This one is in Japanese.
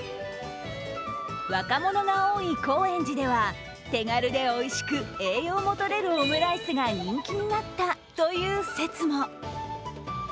若者が多い高円寺では手軽でおいしく栄養もとれるオムライスが人気になったという説も。